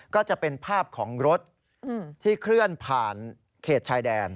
ก็จะเป็นภาพของรถที่เคลื่อนผ่านเขตชายแดน